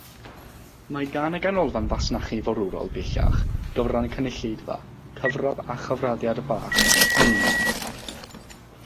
Mae gan y Ganolfan Fasnachu Forwrol bellach gyfran cynulleidfa, cyfradd a chyfraddiad bach, minimol.